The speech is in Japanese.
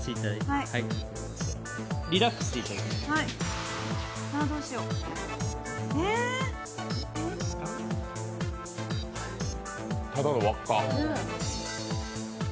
リラックスしていただいてただの輪っか。